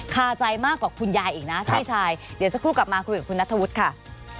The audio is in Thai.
คาใจมากกว่าคุณยายอีกนะพี่ชายเดี๋ยวสักครู่กลับมาคุยกับคุณนัทธวุฒิค่ะ